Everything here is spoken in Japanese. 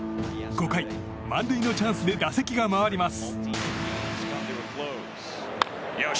５回、満塁のチャンスで打席が回ります。